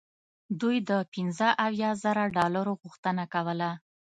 دوی د پنځه اویا زره ډالرو غوښتنه کوله.